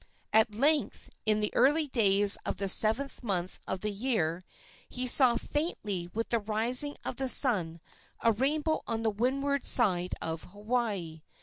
At length, in the early days of the seventh month of the year, he saw faintly with the rising of the sun a rainbow on the windward side of Hawaii.